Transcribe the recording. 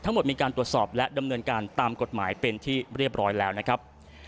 ทั้งหมดมีการตรวจสอบและดำเนินการตามกฎหมายเป็นที่เรียบร้อยแล้วนะครับ